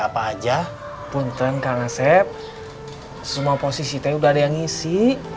apa aja punten kang asep semua posisi teh udah ada yang ngisi